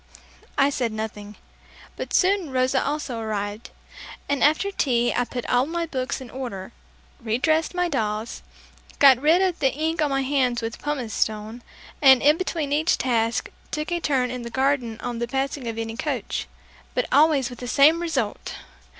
I said nothing, but soon Rosa also arrived, and after tea I put all my books in order, redressed my dolls, got rid of the ink on my hands with pumice stone, and in between each task, took a turn in the garden on the passing of any coach but always with the same result!